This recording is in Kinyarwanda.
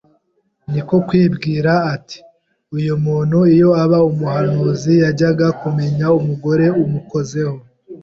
niko kwibwira ati : "Uyu muntu iyo aba umuhanuzi yajyaga kumenya umugore umukozeho